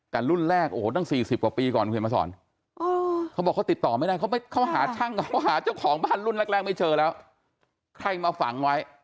แต่รุ่นแรกโอ่หนัง๔๐กว่าปีก่อนคุณเหมือนมาสอน